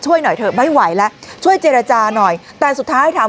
หน่อยเถอะไม่ไหวแล้วช่วยเจรจาหน่อยแต่สุดท้ายถาม